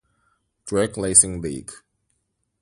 Drag Racing League.